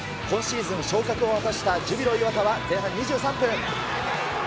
今シーズン昇格を果たしたジュビロ磐田は、前半２３分。